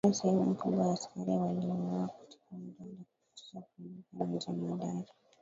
kabisa Sehemu kubwa ya askari waliuawa katika muda wa dakika chache pamoja na jemadari